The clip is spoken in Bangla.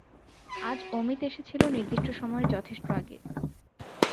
আজ অমিত এসেছিল নির্দিষ্ট সময়ের যথেষ্ট আগে।